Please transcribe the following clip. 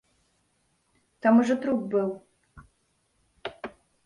Там ужо труп быў.